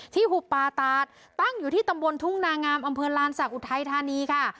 หุบปาตาดตั้งอยู่ที่ตำบลทุ่งนางามอำเภอลานศักดิ์อุทัยธานีค่ะ